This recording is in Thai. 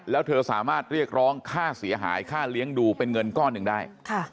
แล้วเธอสามารถเรียกร้องค่าเสียหายค่าเลี้ยงดูเป็นเงินก้อนหนึ่งได้